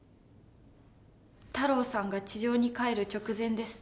太郎さんが地上に帰る直前です。